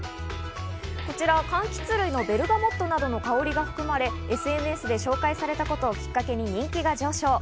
こちら柑橘類のベルガモットの香りが含まれ、ＳＮＳで紹介されたことがきっかけに人気が上昇。